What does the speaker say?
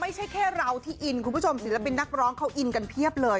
ไม่ใช่แค่เราที่อินคุณผู้ชมศิลปินนักร้องเขาอินกันเพียบเลย